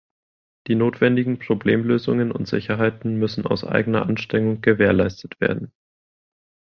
Die notwendigen Problemlösungen und Sicherheiten müssen aus eigener Anstrengung gewährleistet werden.